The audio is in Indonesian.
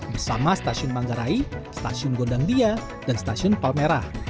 bersama stasiun manggarai stasiun gondangdia dan stasiun palmerah